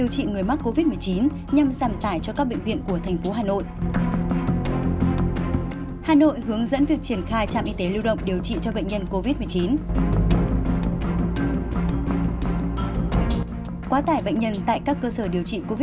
hãy đăng ký kênh để ủng hộ kênh của chúng mình nhé